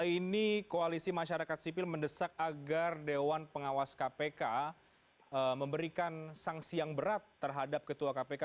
ini koalisi masyarakat sipil mendesak agar dewan pengawas kpk memberikan sanksi yang berat terhadap ketua kpk